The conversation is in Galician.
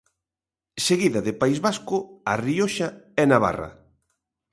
Seguida de País Vasco, A Rioxa e Navarra.